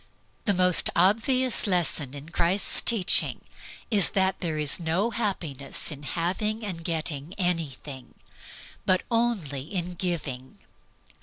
The most obvious lesson in Christ's teaching is that there is no happiness in having and getting anything, but only in giving.